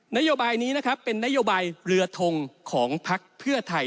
นโยบายนี้นะครับเป็นนโยบายเรือทงของพักเพื่อไทย